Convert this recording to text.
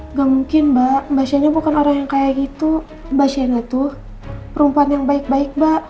nggak mungkin mbak mbak shena bukan orang yang kayak gitu mbak shena tuh perempuan yang baik baik mbak